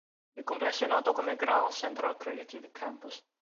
Il complesso è noto come Grand Central Creative Campus.